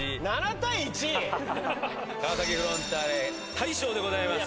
川崎フロンターレ大勝でございます。